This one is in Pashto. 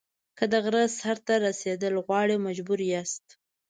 که د غره سر ته رسېدل غواړئ مجبور یاست.